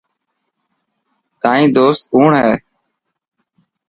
تائن دوست ڪوڻ هي.